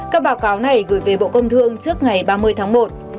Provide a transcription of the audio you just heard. các báo cáo này gửi về bộ công thương trước ngày ba mươi tháng một